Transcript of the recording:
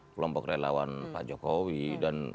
kelompok relawan pak jokowi dan